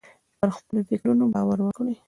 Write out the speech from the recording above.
پر خپلو فکرونو باور وکړئ.